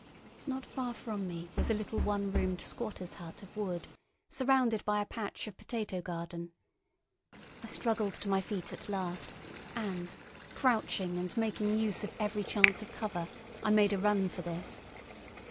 Not far from me was a little one roomed squatter's hut of wood, surrounded by a patch of potato garden. I struggled to my feet at last, and, crouching and making use of every chance of cover, I made a run for this.